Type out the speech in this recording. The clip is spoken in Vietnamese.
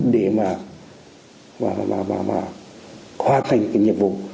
để mà hoàn thành cái nhiệm vụ